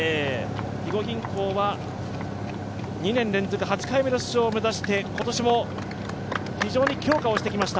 肥後銀行は２年連続８回目の出場を目指して今年も非常に強化をしていきました。